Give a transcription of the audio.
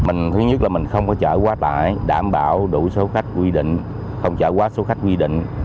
mình thứ nhất là mình không có chở quá tải đảm bảo đủ số khách quy định không chở quá số khách quy định